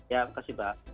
ya makasih mbak